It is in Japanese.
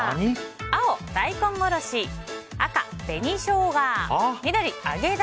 青、大根おろし赤、紅ショウガ緑、揚げ玉。